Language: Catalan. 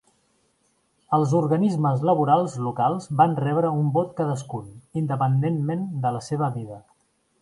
Els organismes laborals locals van rebre un vot cadascun, independentment de la seva mida.